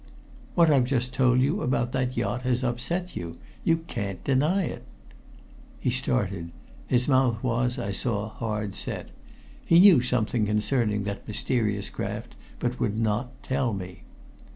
"What I've just told you about that yacht has upset you. You can't deny it" He started. His mouth was, I saw, hard set. He knew something concerning that mysterious craft, but would not tell me.